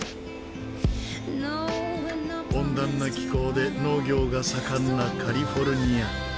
温暖な気候で農業が盛んなカリフォルニア。